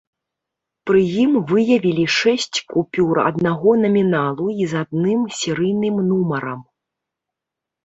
Пры ім выявілі шэсць купюр аднаго наміналу і з адзіным серыйным нумарам.